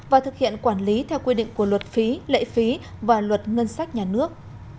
và thực hiện quản lý theo quy định của luật phí lệ phí và luật ngân sách nhà nước